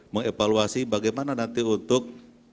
mengevaluasi bagaimana nanti untuk